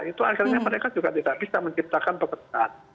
itu akhirnya mereka juga tidak bisa menciptakan pekerjaan